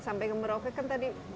sampai merauke kan tadi